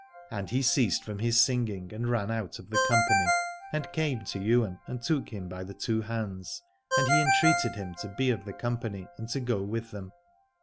And he ceased from his singing and ran out of the company and came to Ywain and took him by the two hands : and he entreated him to be of the com pany and to go with them.